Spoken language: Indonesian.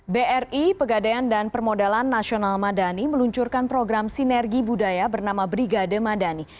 bri pegadaian dan permodalan nasional madani meluncurkan program sinergi budaya bernama brigade madani